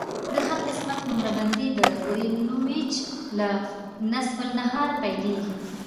د هر قسمت نمره بندي د ګرینویچ له نصف النهار پیلیږي